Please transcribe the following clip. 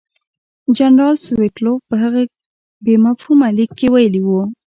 جنرال سټولیټوف په هغه بې مفهومه لیک کې ویلي وو.